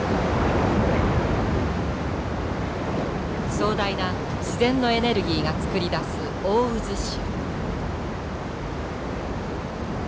壮大な自然のエネルギーが作り出す大渦潮。